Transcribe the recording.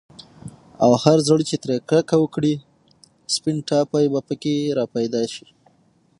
او هر زړه چي ترې كركه وكړي، سپين ټاپى په كي راپيدا شي